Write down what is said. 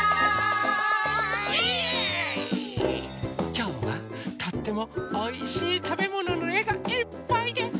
きょうはとってもおいしいたべもののえがいっぱいです！